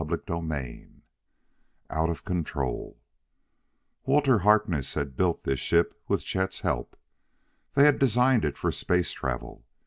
CHAPTER III Out of Control Walter Harkness had built this ship with Chet's help. They had designed it for space travel.